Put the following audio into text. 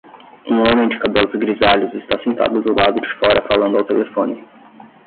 Um homem de cabelos grisalhos está sentado do lado de fora falando ao telefone.